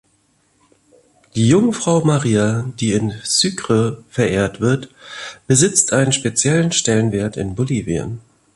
Die Jungfrau Maria, die in Sucre verehrt wird, besitzt einen speziellen Stellenwert in Bolivien.